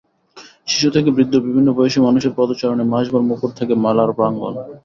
শিশু থেকে বৃদ্ধ বিভিন্ন বয়সী মানুষের পদচারণে মাসভর মুখর থাকে মেলার প্রাঙ্গণ।